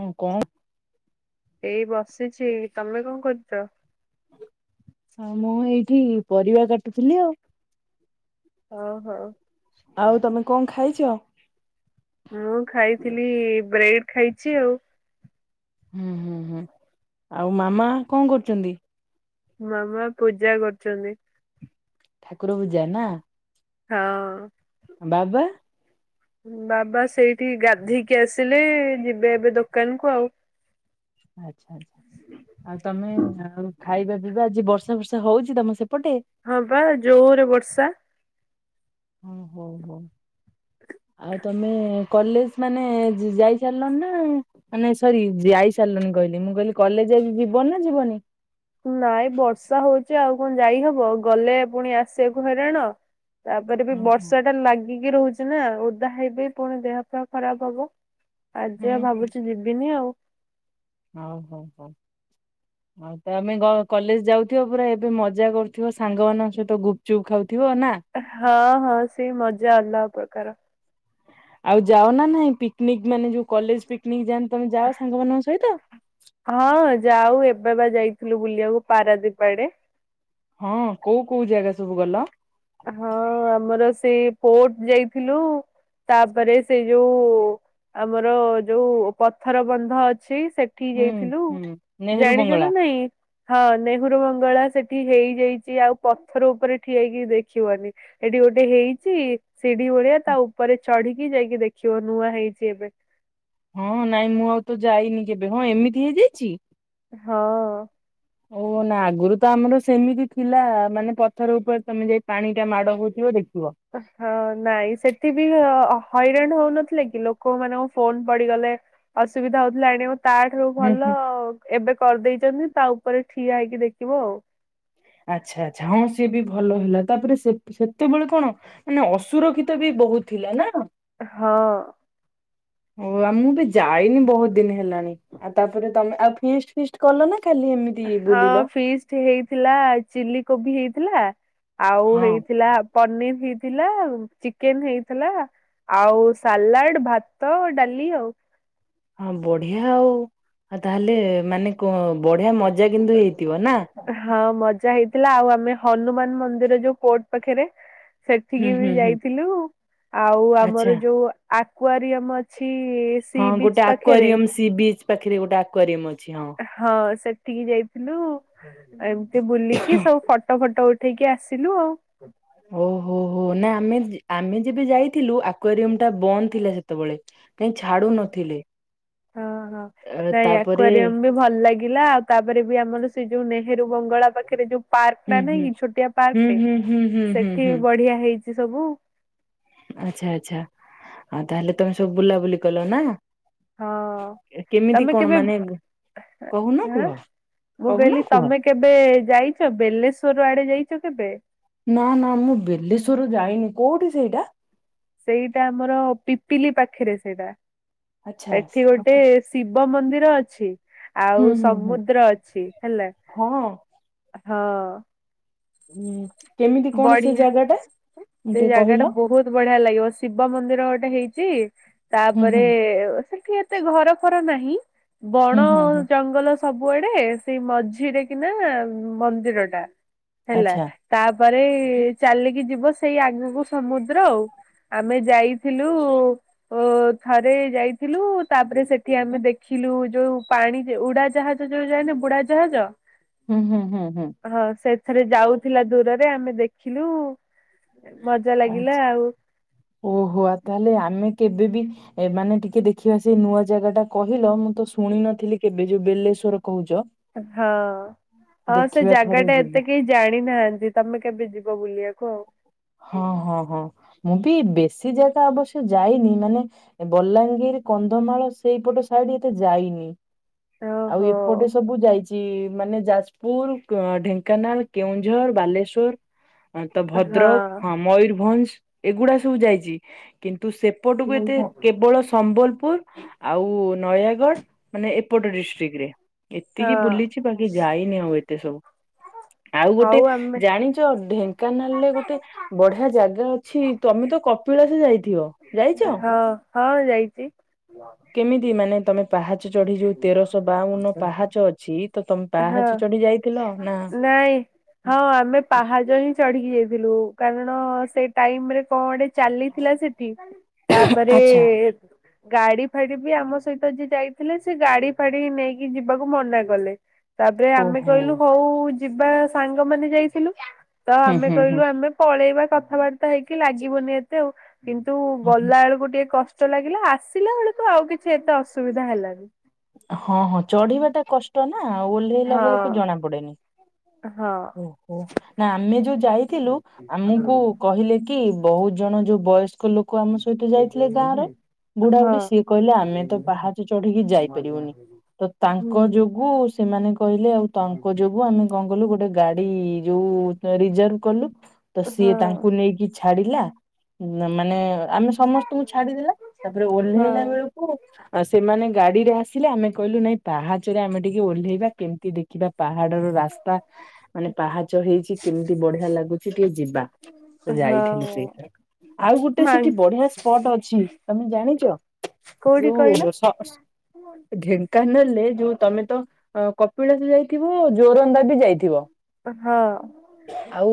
ହଁ କଣ? ଏଇ ବସିଛି ତମେ କଣ କରୁଚ? ହଁ ମୁଁ ଏଇଠି ପରିବା କାଟୁଥିଲି ଆଉ। ଓହୋ। ଆଉ ତମେ କଣ ଖାଇଛ? ମୁଁ ଖାଇଥିଲି ବ୍ରେଡ ଖାଇଛି ଆଉ। ହୁଁ ହୁଁ ହୁଁ ଆଉ ମାମା କଣ କରୁଚନ୍ତି? ମାମା ପୂଜା କରୁଚନ୍ତି। ଠାକୁର ପୂଜା ନା? ହଁ। ବାବା? ବାବା ସେଇଠି ଗାଧୋଇକି ଆସିଲେ ଯିବେ ଏବେ ଦୋକାନକୁ ଆଉ।। ଆଚ୍ଛା ଆଚ୍ଛା। ଆଉ ତମେ ଆଉ ଖାଇବା ପିଇବା ଆଜି ବର୍ଷା ବର୍ଷା ହଉଛି ତମ ସେପଟେ? ହଁ ପା ଜୋରରେ ବର୍ଷା। ହଁ ହଉ ହଉ ଆଉ ତମେ କଲେଜ ମାନେ ଯାଇ ସାରିଲଣି ନା କ ମାନେ ସରି ଯାଇ ସାରିଲନି କହିଲି ମୁଁ କହିଲି କଲେଜ ଆଜି ଯିବନ ନା ଯିବନି? ନାଇଁ ବର୍ଷା ହଉଛି ଆଉ କଣ ଯାଇ ହବ ଗଲେ ପୁଣି ଆସିବାକୁ ହଇରାଣ। ତାପରେ ବି ହୁଁ ହୁଁ ବର୍ଷାଟା ଲାଗିକି ରହୁଛି। ନା ଓଦା ହେଇବି ପୁଣି ଦେହ ଫେହ ଖରାପ ହବ ହୁଁ ଆଜି ଆଉ ହୁଁ ଭାବୁଛି ଯିବିନି ଆଉ। ହଉ ହଉ ହଉ। ଆଉ ତମେ କଲେଜ ଯାଉଥିବ ପୁରା ଏବେ ମଜା କରୁଥିବ ସାଙ୍ଗମାନଙ୍କ ସହିତ ଗୁପଚୁପ୍ ଖାଉଥିବ ନା? ହଁ ହଁ ସେ ମଜା ଅଲଗା ପ୍ରକାର। ଆଉ ଯାଅ ନା ନାଇଁ ପିକନିକ ମାନେ ଯୋଉ କଲେଜ ପିକନିକ ଯାଆନ୍ତି ତମେ ଯାଅ ସାଙ୍ଗମାନଙ୍କ ସହିତ? ହଁ ଯାଉ ଏବେ ବା ଯାଇଥିଲୁ ବୁଲିବାକୁ ପାରାଦୀପ ଆଡେ। ହଁ କୋଉ କୋଉ ଜାଗା ସବୁ ଗଲ? ହଁ ଆମର ସେ ପୋର୍ଟ ଯାଇଥିଲୁ। ତାପରେ ସେଇ ଯୋଉ ଆମର ଯୋଉ ପଥର ବନ୍ଧ ଅଛି ସେ ଉଠି ହୁଁ ଯାଇଥିଲୁ ହୁଁ ନେହେରୁ ଜାଣିଛ ନା ବଙ୍ଗଳା ନାଇଁ? ହଁ ନେହରୁ ବଙ୍ଗଳା ସେଠି ହେଇଯାଇଛି ଆଉ ପଥର ଉପରେ ଠିଆ ହେଇକି ଦେ ଦେଖିବନି ଏଠି ଗୋଟେ ହେଇଛିି ସିଢି ଭଳିଆ ତା ଉପରେ ଚଢିକି ଯାଇକି ଦେଖିବ ନୂଆ ହେଇଛି ଏବେ। ହଁ ନାଇଁ ମୁଁ ଆଉ ତ ଯାଇନି କେବେ ହଁ ଏମିତି ହେଇଯାଇଛି। ହଁ। ଓହୋ ନା ଆଗରୁ ତ ଆମର ସେମିତି ଥିଲା ମାନେ ପଥର ଉପରେ ତମେ ଯାଇ ପାଣିଟା ମାଡ଼ ହଉଥିବ ଦେଖିବ। ହଁ ନାଇଁ ସେଠି ବି ହଇରାଣ ହଉନଥିଲେ କି ଲୋକମାନଙ୍କ ଫୋନ ପଡିଗଲେ ଅସୁବିଧା ହଉଥିଲା ଆଣିବାକୁ। ତା ଠାରୁ ହୁଁ ଭଲ ହୁଁ ଏବେ କରିଦେଇଛନ୍ତି ତା ଉପରେ ଠିଆ ହେଇକି ଦେଖିବ ଆଉ। ଆଚ୍ଛା ଆଛା ହଁ ସିଏ ବି ଭଲ ହେଲା ତାପରେ ସେ ସେତେବେଳେ କଣ? ମାନେ ଅସୁରକ୍ଷିତ ବି ବହୁତ ଥିଲା ନା? ହଁ। ଓ ଆ ମୁଁ ବି ଯାଇନି ବହୁତ ଦିନ ହେଲାଣି। ଆଉ ତାପରେ ତମେ ଆଉ ଫିଷ୍ଟ ଫିଷ୍ଟ କଲ ନା ଖାଲି ଏମି ହଁ ଫିଷ୍ଟ ହେଇଥିଲା ଚିଲ୍ଲି କୋବି ହେଇଥିଲା ଆଉ ହଁ ହେଇଥିଲା ପନିର ହେଇଥିଲା, ଚିକେନ ହେଇଥିଲା ଆଉ ସାଲାଡ଼, ଭାତ ଡାଲି ଆଉ। ହଁ ବଢିଆ ଆଉ ତାହେଲେ ମାନେ କ ବଢିଆ ମଜା କିନ୍ତୁ ହେଇଥିବ ନା। ହଁ ମଜା ହେଇଥିଲା ଆଉ ଆମେ ହନୁମାନ ମନ୍ଦିର ଯୋଉ କୋର୍ଟ ପାଖରେ ହୁଁ ସେଠିକି ବି ହୁଁ ହୁଁ। ଯାଇଥିଲୁ ଆଉ ଆଚ୍ଛା ଆମର ଯୋଉ ଆକ୍ୱାରୀୟମ ଅ ଛି ସି ହଁ ଗୋଟେ ବିଚ ପାଖେରେ ଆକ୍ୱାରିୟମ ସି ବିଚ୍ ପାଖରେ ଗୋଟେ ଆକ୍ୱାରିୟମ୍ ଅଛି ହଁ। ହଁ ସେଠିକି ଯାଇଥିଲୁ ଏମିତି ବୁଲିକି ସବୁ ଫଟୋ ଫଟୋ ଉଠ ଠେଇକି ଆସିଲୁ ଆଉ। ଓହୋ ହୋ ନା ଆମେ ଆମେ ଯେବେ ଯାଇଥିଲୁ ଆକ୍ଵାରିୟମ ଟା ବନ୍ଦ ଥିଲା ସେ ସେତେବେଳେ କାଇଁ ଛାଡୁ ହଁ ନଥିଲେ ହଁ। ନାଇଁ ତାପରେ ଆକ୍ୱାରିୟମ ବି ଭଲ ଲାଗିଲା ଆଉ ତାପରେ ବି ଆମର ସେ ଯୋଉ ନେହେରୁ ବଙ୍ଗଳା ପାଖରେ ଯୋଉ ପାର୍କ ହୁଁ ଟା ନାଇଁ ହୁଁ କି ଛୋଟିଆ ପାର୍କ ହୁଁ ଟେ ହୁଁ ହୁଁ ହୁଁ ହୁଁ ସେଠି ହୁଁ ବଢିଆ ହେଇଛି ସବୁ। ଆଚ୍ଛା ଆଚ୍ଛା ଆଉ ତାହେଲେ ତମେ ସବୁ ବୁଲାବୁଲି କଲ ନା? ହଁ କେମିତି ତମେ କଣ କେବେ ମାନେ କହୁନ ହଁ କୁହ। ମୁଁ କହୁନ କହିଲି କୁହ। ତମେ କେବେ ଯାଇଛ ବେଲେଶ୍ୱର ଆଡେ ଯାଇଛ କେବେ? ନା ନା ମୁଁ ବଲେଶ୍ୱର ଯାଇନି। କୋଉଠି ସେଇଟା? ସେଇଟା ଆମର ପିପିଲି ପାଖରେ ସେଇଟା ଆଚ୍ଛା ସେଠି ଆଉ ଗୋଟେ କୁ ଶିବ ମନ୍ଦିର ଅଛି ହୁଁ ଆଉ ହୁଁ ହୁଁ ସମୁଦ୍ର ଅଛି ହେଲା। ହଁ ହଁ। ହୁଁ କେମିତି କଣ ସେ ବଢିଆ। ଜାଗା ଟା ସେ ଟିକେ ଜାଗା ଟା କହିଲ? ବହୁତ ବଢିଆ ଲାଗିବ ଶିବ ମନ୍ଦିର ଗୋଟେ ହେଇଛି ହୁଁ ତାପରେ ହୁଁ ସେଠି ଏ ତେ ଘର ଫର ନାହିଁ ବଣ ହୁଁ ହୁଁ ହୁଁ ଜଙ୍ଗଲ ସବୁଆଡେ ସେଇ ମଝିରେ କିନା ମନ୍ଦିର ଟା ହେଲା ଆଚ୍ଛା ତା ତା ପରେ ଚାଲିକି ଯିବ ସେଇ ଆଗକୁ ସମୁଦ୍ର ଆଉ। ଆମେ ଯାଇଥିଲୁ ଓ ଥରେ ଯାଇଥିଲୁ ତାପରେ ସେଠି ଆମେ ଦେଖିଲୁ ଯୋଉ ପାଣିରେ ଉଡା ଯାହାଜ ଯୋଉ ଯାଏନ ବୁଢା ଜାହାଜ। ହୁଁ ହୁଁ ହୁଁ ହୁଁ। ହଁ ସେଥିରେ ଯାଉଥିଲା ଦୂରରେ ଆମେ ଦେଖିଲୁ ମଜା ଲାଗିଲା ଆଚ୍ଛା ଆଉ। ଓହୋ ଆ ତାହେଲେ ଆମେ କେବେ ବି ଏମାନେ ଟିକେ ଦେଖିବା ସେଇ ନୂଆ ଜାଗା ଟା କହିଲ ମୁଁ ତ ଶୁଣି ନଥିଲି କେବେ ଯୋଉ ବେଲେଶ୍ଵର କହୁଛ। ହଁ ହଁ ସେ ଦେଖିବା ଜାଗା ଥରେ ଟା ଯିବା। ଏତେ କେହି ଜାଣିନାହାନ୍ତି ତମେ କେବେ ଯିବ ବୁଲିବାକୁ ଆଉ? ହଁ ହଁ ହଁ ମୁଁ ବି ବେଶୀ ଜାଗା ଅବଶ୍ୟ ଯାଇନି ମାନେ ବଲାଙ୍ଗିର କନ୍ଧମାଳ ସେଇପଟ ସାଇଡ ଏତେ ଯାଇନି। ଆଉ ଓହୋ ଏପଟେ ସବୁ ଯାଇଛି। ଚି ମାନେ ଯାଜପୁର, ଢେଙ୍କାନାଳ, କେଉଁଝର, ବାଲେଶ୍ଵର ତ ଭଦ୍ରକ ହଁ ମୟରଭଞ୍ଜ ଏଗୁଡା ସବୁ ଯାଇଛି। କିନ୍ତୁ ସେପଟକୁ ଏତେ କେବଳ ସମ୍ବଲପୁର ଆଉ ନୟାଗଡ ମାନେ ଏପଟ ଡିଷ୍ଟ୍ରିକ ରେ ହଁ ଏତିକି ବୁଲିଛି ବାକି ଯାଇନି ଆଉ ଏତେ ସବୁ। ଆଉ ଗୋଟେ ହଉ ଆମେ ଜାଣିଛ ଢେଙ୍କାନାଳରେ ଗୋ ବଢିଆ ଜାଗା ଅଛି, ତମେ ତ କପିଳାସ ଯାଇଥିବ ଯାଇଛ? ହଁ ହ। ଯାଇଛି। କେମିତି ମାନେ ତମେ ପାହାଚ ଚଢି ଯୋଉ ତେରଶ ବାଉନ ପାହାଚ ଅଛି ତ ତମେ ପାହାଚ ଚଢି ଯାଇଥିଲ ନା ନାଇ। ହଁ ଆମେ ପାହାଚ ହିଁ ଚଢିକି ଯାଇଥିଲୁ କାରଣ ସେଇ ଟାଇମ ରେ କଁ ଗୋଟେ ଚାଲିଥିଲା ସେଠି ତାପରେ ଆଚ୍ଛା ଗାଡି ଫାଡି ବି ଆମ ସହିତ ଯିଏ ଯାଇଥିଲେ ସେ ଗାଡି ଫାଡି ନେଇକି ଯିବାକୁ ମନା କଲେ। ତାପରେ ଆମେ ଓହୋ କହିଲୁ ହଉ ଯିବା ସାଙ୍ଗମାନେ ଯାଇଥିଲୁ ତ ହୁଁ ଆମେ ହୁଁ ହୁଁ। କହିଲୁ ଆମେ ପଳେଇବା କଥାବାର୍ତ୍ତା ହେଇକି ଲାଗିବନି ଏତେ ଆଉ କିନ୍ତୁ ଗଲା ବେଳକୁ ଟିକେ କଷ୍ ଷ୍ଟ ଲାଗିଲା ଆସିଲା ବେଳକୁ ଆଉ କିଛି ଏତେ ଅସୁବିଧା ହେଲାନି। ହଁ ହଁ ଚଢିବା ଟା କଷ୍ଟ ନା ଓହ୍ଲେଇଲା ବେଳକୁ ହଁ ଜଣା ପଡେନି। ହଁ। ଓହୋ ନା ଆମେ ଯୋଉ ଯାଇଥିଲୁ ଆମକୁ କହିଲେ କି ବହୁତ ଜଣ ଯୋଉ ବୟସ୍ କ ଲୋକ ଆମ ସହିତ ଯାଇଥିଲେ ଗାଁ ରେ। ହଁ ବୁଢାବୁଢୀ ସିଏ କହିଲେ ଆମେ ତ ପାହାଚ ଚଢିକି ଯାଇପାରିବୁନି। ତ ହୁଁ ତାଙ୍କ ଯୋଗୁ ସେମାନେ କହିଲେ ଆଉ ତାଙ୍କ ଯୋ ଆମେ କଣ କଲୁ ଗୋଟେ ଗାଡି ଯୋଉ ରିଜର୍ଭ କଲୁ ତ ହଁ ସିଏ ତାଙ୍କୁ ନେଇକି ଛାଡିଲା ମାନେ ଆମେ ସମସ୍ତଙ୍କୁ ଛାଡିଦେଲା ତାପରେ ଓହ୍ଲେଇଲା ହଁ। ବେଳକୁ ଆଉ ସେମାନେ ଗାଡିରେ ଆସିଲେ ଆମେ କହିଲୁ ନାଇଁ ପାହାଚରେ ଆମେ ଟିକେ ଓହ୍ଲେଇବା କେମିତି ଦେଖ ଖୀବା ପାହାଡର ରାସ୍ତା। ମାନେ ପାହାଚ ହେଇଛି କେମିତି ବଢିଆ ଲାଗୁଛି ଟିକେ ଯିବା ତ ହଁ ଯାଇଥିଲୁ ସେଇଥ ର କ। ଆଉ ଗୋଟେ ମା ସେଠି ବଢିଆ ସ୍ପଟ ଅଛି ତମେ ଜାଣିଛ? କୋଉଠି ଯୋଉ କହିଲ ସ ଢେଙ୍କାନାଲେ ଯୋଉ ତମେ ତ କପିଳାସ ଯାଇଥିବ ଜୋରନ୍ଦା ବି ଯାଇଥିବ। ହଁ। ଆଉ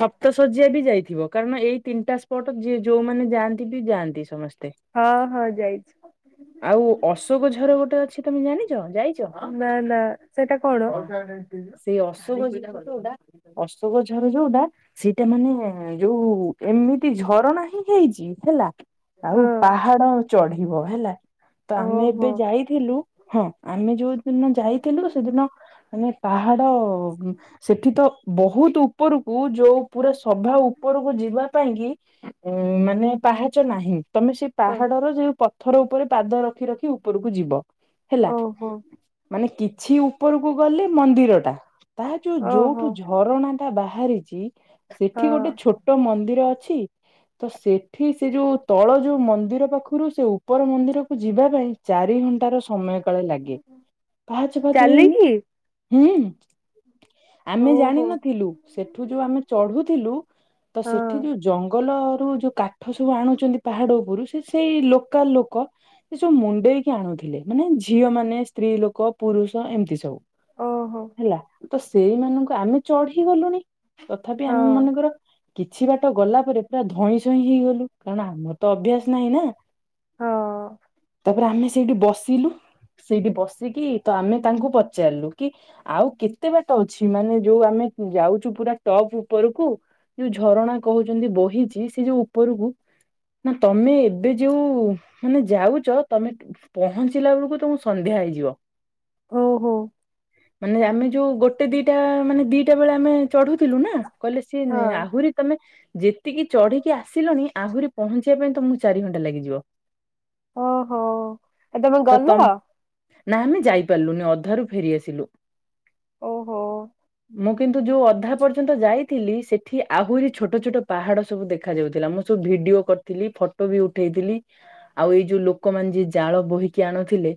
ସପ୍ତ ଶଯ୍ୟା ବି ଯାଇଥିବ କାରଣ ଏଇ ତିନିଟା ସ୍ପଟ ଯିଏ ଯୋଉମାନେ ଯାଆନ୍ତି ବି ଯାଆନ୍ତି। ସମସ୍ତେ। ହଁ ହଁ ଯାଇଚି। ଆଉ ଅଶୋକ ଝର ଗୋଟେ ଅଛି ତମେ ଜାଣିଛ ଯାଇଚ? ନା ନା। ସେଟା କଣ? ସେଇ ଅଶୋକ ଝ ର ଯଉଟା ଅଶୋକ ଝର ଯୋଉଟା ସେଇଟା ମାନେ ଯୋଉ ଏମିତି ଝରଣା ହିଁ ହେଇଛି ହେଲା। ଆଉ ହଁ ପାହାଡ ଚଢିବ ହେଲା। ତ ଆମେ ଏବେ ଓହୋ ଯାଇଥିଲୁ ହଁ ଆମେ ଯୋଉଦିନ ଯାଇଥିଲୁ ସେଦିନ ମାନେ ପାହାଡ ସେଠି ତ ବହୁତ ଉପରକୁ ଯୋଉ ପୁରା ସଭା ଉପରକୁ ଯିବା ପାଇଁ କି ମାନେ ପାହାଚ ନାହିଁ ତମେ ସେଇ ପାହାଡର ଯୋଉ ପଥର ଉପରେ ପାଦ ରଖି ରଖି ଉପରକୁ ଯିବ। ହେଲା ଓହୋ ମାନେ କିଛି ଉପରକୁ ଗଲେ ମନ୍ଦିର ଟା। ତା ଯୋଉ ଓହୋ ଯୋଉଠୁ ଝରଣା ଟା ବାହାରିଛି ହଁ ସେଠି ଗୋଟେ ଛୋଟ ମନ୍ଦିର ଅଛି। ତ ସେଠି ସେ ଯୋଉ ତଳ ଯୋଉ ମନ୍ଦିର ପାଖରୁ ସେ ଉ ଉପର ମନ୍ଦିରକୁ ଯିବା ପାଇଁ ଚାରି ଘଣ୍ଟାର ସମୟ କାଳେ ଲାଗେ। ପାହାଛ ପାହାଛ ହେଇନି ଚାଲିକି ହଁ। ଆମେ ଓହୋ ଜାଣିନଥିଲୁ ସେଠୁ ଯୋଉ ଆମେ ଚଢୁଥିଲୁ ତ ହଁ ସେଠି ଯୋଉ ଜଙ୍ଗଲରୁୁ ଯୋଉ କାଠ ସବୁ ଆଣୁଛନ୍ତି। ପାହାଡ ଉପରୁ ସେ ସେଇ ଲୋକାଲ ଲୋକ ଏ ସବୁ ମୁଣ୍ଡେଇକି ଆଣୁଥିଲେ ମାନେ ଝିଅ ମାନେ ସ୍ତ୍ରୀ ଲୋକ ପୁରୁଷ ଏମିତି ସବୁ। ଓହୋ ହେଲା ତ ସେଇମାନଙ୍କୁ ଆମେ ଚଢି ଗଲୁଣି ତଥାପି ହଁ ଆମେ ମାନଙ୍କର କିଛି ବାଟ ଗଲା ପରେ ପୁରା ଧଇଁ ସଇଁ ହେଇଗଲୁ କାରଣ ଆମର ତ ଅଭ୍ୟାସ ନାହିଁ ନା। ହଁ। ତାପରେ ଆମେ ସେଇଠି ବସିଲୁ। ସେଇଠି ବସିକି ତ ଆମେ ତାଙ୍କୁ ପଚାରିଲୁ କି ଆଉ କେ କେତେ ବାଟ ଅଛି ମାନେ ଯୋଉ ଆମେ ଯାଉଛୁ ପୁରା ଟପ୍ ଉପରକୁ। ଯୋଉ ଝରଣା କହୁଛନ୍ତି ବହିଛି ସେ ଯୋଉ ଉପରକୁ ନା ତମେ ଏବେ ଯୋଉ ମାନେ ଯାଉଛ ତମେ ପହଞ୍ଚିଲା ବେଳକୁ ତମକୁ ସନ୍ଧ୍ୟା ହେଇଯିବ। ଓହୋ ମାନେ ଆମେ ଯୋଉ ଗୋଟେ ଦିଟା ମାନେ ଦିଟା ବେଳେ ଆମେ ଚଢୁଥିଲୁ ନା କହିଲେ ହଁ ସିଏ ଆହୁରି ତମେ ଯେ ତିକି ଚଢିକି ଆସିଲଣି ଆହୁରି ପହଞ୍ଚିବା ପାଇଁ ତମକୁ ଚାରି ଘଣ୍ଟା ଲାଗିଯିବ। ଓହୋ ଆ ତମେ ତ ଗଲ? ତମ ନା ଆମେ ଯାଇପାରିଲୁନି ଅଧାରୁ ଫେରିଆସିଲୁ। ଓହୋ। ମୁଁ କିନ୍ତୁ ଯୋଉ ଅଧା ପର୍ଯ୍ୟନ୍ତ ଯାଇଥିଲି ସେଠି ଆହୁରି ଛୋଟ ଛୋଟ ପାହାଡ଼ ସବୁ ଦେଖାଯାଉଥିଲା ମୁଁ ସବୁ ଭିଡିଓ କରିଥିଲି ଫଟୋ ବି ଉଠେଇଥିଲି ଆଉ ଏଇ ଯୋଉ ଲୋକମାନେ ଯିଏ ଜାଳ ବୋହିକି ଆଣୁଥିଲେ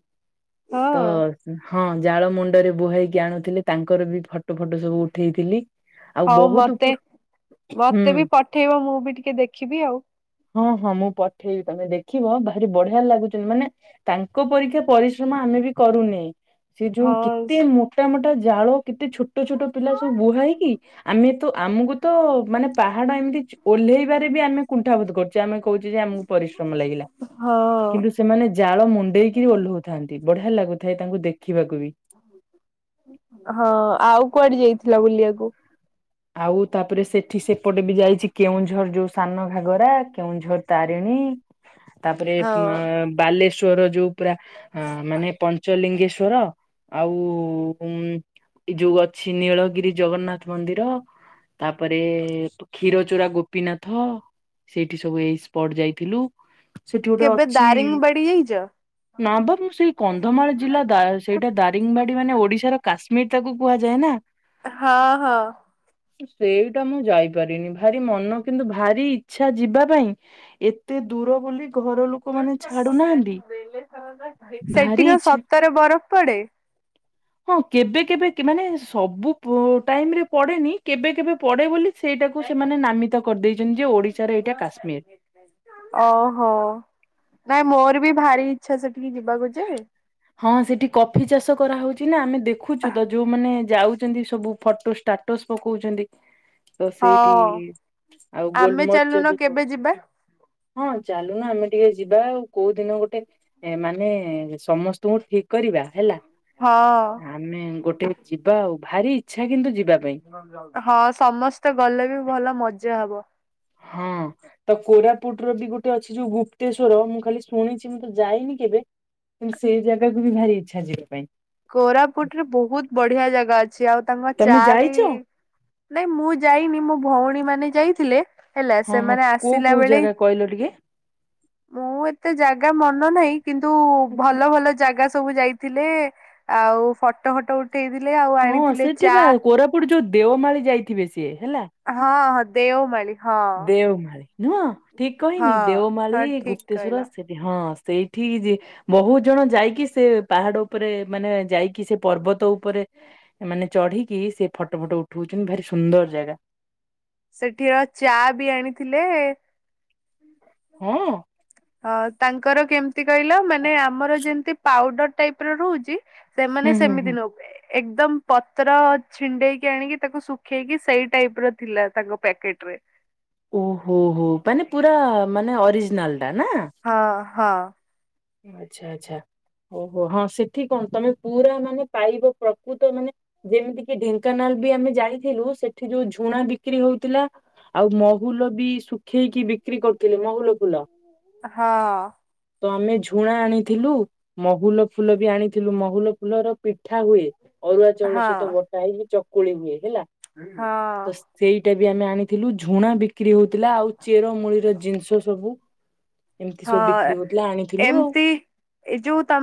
ହଁ ତ ହଁ ଜାଳ ମୁଣ୍ଡରେ ବୋହେଇକି ଆଣୁ ଥିଲେ ତାଙ୍କର ବି ଫଟୋ ଫଟୋ ସବୁ ଉଠେଇଥିଲି। ଆଉ ହଉ ବହୁତ ମତେ ଉପର ହୁଁ ମତେ ବି ପଠେଇବ ମୁଁ ବି ଟିକେ ଦେଖିବି ଆଉ। ହଁ ହଁ ମୁଁ ପଠେଇବି ତମେ ଦେଖିବ ଭାରି ବଢିଆ ଲାଗୁଛନ୍ତି ମାନେ ତାଙ୍କ ପରୀକା ପରିଶ୍ରମ ଆମେ ବି କରୁନି ସେ ଯୋଉ ହଁ କେତେ ମୋଟାମୋ ଟା ଜାଳ କେତେ ଛୋଟ ଛୋଟ ପିଲା ସବୁ ବୁହାଇକି ଆମେ ତ ଆମକୁ ତ ମାନେ ପାହାଡ ଏମିତି ଓହ୍ଲେଇବାରେ ବି ଆମେ କୁଣ୍ଠାବୋଧ କରୁଥିଲୁ। ଚେ ଆମେ କହୁଛେ ଆମକୁ ପରିଶ୍ରମ ଲାଗିଲା ହଁ କିନ୍ତୁ ସେ ସେମାନେ ଜାଳ ମୁଣ୍ଡେଇକିରି ଓହ୍ଲଉଥାନ୍ତି ବଢିଆ ଲାଗୁଥାଏ ତାଙ୍କୁ ଦେଖିବାକୁ ବି। ହଁ ଆଉ କୁଆଡେ ଯାଇଥିଲ ବୁଲିବାକୁ? ଆଉ ତାପରେ ସେଠି ସେପଟେ ବି ଯାଇଛି କେଉଁଝର ଯୋଉ ସାନ ଘାଗରା କେଉଁଝର ତାରିଣୀ। ତାପରେ ହଁ ଅ ବାଲେଶ୍ଵର ଯୋଉ ପୁରା ଅଁ ମାନେ ପଞ୍ଚଲିଙ୍ଗେଶ୍ଵର। ଆଉ ଉଁ ଯୋଉ ଅଛି ନୀଳଗିରି ଜଗନ୍ନାଥ ମନ୍ଦିର। ତାପରେ କ୍ଷୀର ଚୋରା ଗୋପୀନାଥ ସେଇଠି ସବୁ ଏଇ ସ୍ପଟ ଯାଇଥିଲୁ। ସେଠି ଗୋଟେ କେବେ ଅଛି ଦାରିଙ୍ଗବାଡି ଯାଇଛ? ନା ବା ମୁଁ ସେଇ କନ୍ଧମାଳ ଜିଲ୍ଲା ଦା ସେଇଟା ଦା ରିଙ୍ଗବାଡି ମାନେ ଓଡିଶାର କାଶ୍ମୀର ତାକୁ କୁହାଯାଏ ନା। ହଁ- ହଁ। ସେଇଟା ମୁଁ ଯାଇପାରିନି ଭାରି ମନ କିନ୍ତୁ ଭାରି ଇଛା ଯିବା ପାଇଁ। ଏତେ ଦୂର ବୋଲି ଘର ଲୋକ ମାନେ ଛାଡୁ ନାହାନ୍ତି ସେଠି ଭାରି କଣ ଇଚ୍ଛା। ସତରେ ବରଫ ପଡେ? ହଁ କେବେ କେବେ କି ମାନେ ସବୁ ପୁ ଟାଇମରେ ପଡେନି। କେବେ କେବେ ପଡେ ବୋଲି ସେଇଟାକୁ ସେମାନେ ନାମିତ କରିଦେଇଚନ୍ତି ଯେ ଓଡିଶାର ଏଇଟା କାଶ୍ମୀର। ଓହୋ ନାଇଁ ମୋର ବି ଭାରି ଇଛା ସେଠିକି ଯିବାକୁ ଯେ। ହଁ ସେଠି କଫି ଚାଷ କରାହଉଚି ନା ଆମେ ଦେଖୁଚୁ ତ ଯୋଉମାନେ ଯାଉଚନ୍ତି ସବୁ ଫଟୋ ଷ୍ଟାର୍ଟ ଷ୍ଟାର୍ଟସ୍ ପକଉଚନ୍ତି ତ ସେଇଠି ହଁ ଆଉ ଆମେ ଗୋଲ ମରିଚ ଚାଲୁନ ବି ହଉଛି। କେବେ ଯିବା ହଁ ଚାଲୁନ ଆମେ ଟିକେ ଯିବା ଆଉ କୋଉ ଦିନ ଗୋଟେ ମାନେ ସମସ୍ତ ସ୍ତକୁ ଠିକ କରିବା ହେଲା ହଁ। ତା ଆମେ ଗୋଟେ ଯିବା ଆଉ ଭାରି ଇଚ୍ଛା କିନ୍ତୁ ଯିବା ପାଇଁ। ହଁ ସମସ୍ତେ ଗଲେ ବି ଭଲ ମଜା ହବ। ହଁ। ତ କୋରାପୁଟ ର ବି ଗୋଟେ ଅଛି ଯୋଉ ଗୁପ୍ତେଶ୍ୱର ମୁଁ ଖାଲି ଶୁଣିଚି ମୁଁ ତ ଯାଇନି କେବେ। କିନ୍ତୁ ସେଇ ଜାଗାକୁ ବି ଭାରି ଇଚ୍ଛା ଯିବା ପାଇଁ। କୋରାପୁଟରେ ବହୁତ ବଢିଆ ଜାଗା ଅଛି ଆଉ ତାଙ୍କ ତମେ ଚା ବି ଯାଇଛ? ନାଇଁ ମୁଁ ଯାଇନି ମୋ ଭଉଣୀ ମାନେ ଯାଇଥିଲେ। ହେଲା ହଁ ହଁ ସେମାନେ କୋଉ ଆସିଲା କୋଉ ବେଳେ ଜାଗା କହିଲ ଟିକେ? ମୁଁ ଏତେ ଜାଗା ମନ ନାହିଁ କିନ୍ତୁ ଆଛା ଭଲ ଭଲ ଜାଗା ସବୁ ଯାଇଥିଲେ ଆଉ ଫଟୋ ଫଟୋ ଉଠେଇଥିଲେ ଆଉ ଆଣିଥିଲେ ଚା। ସେପଟେ ଯୋଉ ଦେଓମାଳି ଯାଇଥିବେ ସିଏ ହେଲା। ହଁ ହଁ ଦେଓମାଳି। ହଁ। ଦେଓମାଳି ନୁହଁ ଠିକ କହିନି ହଁ ହଁ ଦେଓମାଳି, ଠିକ ଗୁପ୍ତେଶ୍ଵର କହିଲ ସେ ହଁ ସେଇଠି ଯେ ବହୁତ ଜଣ ଯାଇକି ସେ ପାହାଡ ଉପରେ ମାନେ ଯାଇକି ସେ ପର୍ବତ ଉପରେ ମାନେ ଚଢିକି ସେ ଫଟୋ ଫଟୋ ଉଠଉଚନ୍ତି ଭାରି ସୁନ୍ଦର ଜାଗା। ସେଠିର ଚା ବି ଆଣିଥିଲେ। ହଁ। ହଁ ତାଙ୍କର କେମତି କହିଲ ମାନେ ଆମର ଯେମତି ପାଉଡର ଟାଇପ ର ରହୁଚି ହୁଁ ସେମାନେ ହୁଁ ହୁଁ ସେମିତି ନୁ ଏକଦମ୍ ପତ୍ର ଛିଣ୍ଡେଇକି ଆଣିକି ତାକୁ ଶୁଖେଇକି ସେଇ ଟାଇପ୍ ର ଥିଲା ତାଙ୍କ ପ୍ୟାକେଟ ରେ। ଓହୋ ହୋ ମାନେ ପୁରା ମାନେ ଅରିଜିନାଲ ଟା ନା? ହଁ ହଁ। ଆଚ୍ଛା ଆଛା ଓହୋ ହଁ ସେଠି କଣ ତମେ ପୁରା ମାନେ ପାଇବ ପ୍ରକୃତ ମାନେ ଯେମିତି କିି ଢେଙ୍କାନାଳ ବି ଆମେ ଯାଇଥିଲୁ ସେଠି ଯୋଉ ଝୁଣା ବିକ୍ରି ହଉଥିଲା। ଆଉ ମହୁଲ ବି ଶୁଖେଇକି ବିକ୍ରି କରୁଥିଲେ ମହୁଲ ଫୁଲ। ହଁ। ତ ଆମେ ଝୁ ଛୁଣା ଆଣିଥିଲୁ ମହୁଲ ଫୁଲ ବି ଆଣିଥିଲୁ ମହୁଲ ଫୁଲର ପିଠା ହୁଏ। ଅରୁଆ ଚାଉଳ ହଁ ସହିତ ବଟା ହେଇକି ଚକୁଳି ହୁଏ ହେଲା। ହଁ। ତ ସେଇଟା ବି ଆମେ ଆଣିଥିଲୁ ଝୁଣା ବିକ୍ରି ହଉଥିଲା ଆଉ ଚେର ମୂଳିର ଜିନିଷ ସବୁ। ଏମିତି ସବୁ ବିକ୍ରି ହଉଥିଲା ଆଣି ଏମତି ଏ ଯୋଉ ତମ୍